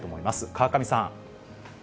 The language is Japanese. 川上さん。